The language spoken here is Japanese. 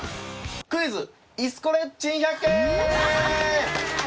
クイズイスこれ珍百系！